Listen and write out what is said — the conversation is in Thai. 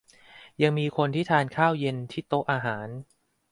ยังมีคนที่ทานข้าวเย็นที่โต๊ะอาหาร